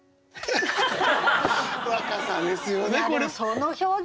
若さですよねこれ。